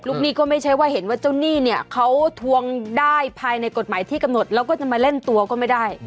หนี้ก็ไม่ใช่ว่าเห็นว่าเจ้าหนี้เนี่ยเขาทวงได้ภายในกฎหมายที่กำหนดแล้วก็จะมาเล่นตัวก็ไม่ได้